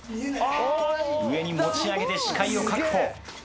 上に持ち上げて視界を確保。